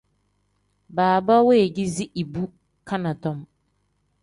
Baaba weegeezi ibu caanadom.